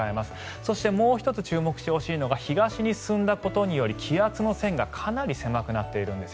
そしてもう１つ注目してほしいのが東に進んだことにより気圧の線がかなり狭くなっているんです。